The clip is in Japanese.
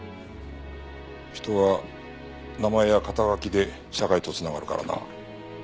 人は名前や肩書で社会と繋がるからな。